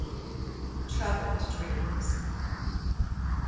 TROUBLED DREAMS.